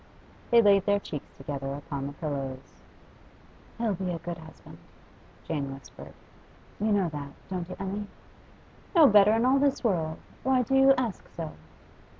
They laid their cheeks together upon the pillows. 'He'll be a good husband,' Jane whispered. 'You know that, don't you, Emmy?' 'No better in all this world! Why do you ask so?